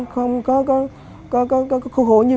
không có khổ như bọn em hiện tại bây giờ